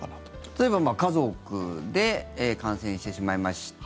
例えば家族で感染してしまいました。